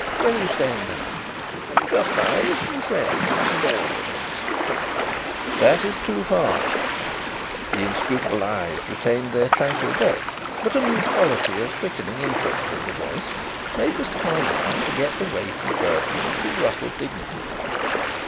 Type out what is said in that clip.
Where are you staying now?" "Just now with some friends at St. Albans." "That is too far." The inscrutable eyes retained their tranquil depth but a new quality of quickening interest in the voice made Mr. Carlyle forget the weight and burden of his ruffled dignity.